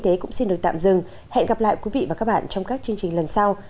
hẹn gặp lại các bạn trong các chương trình lần sau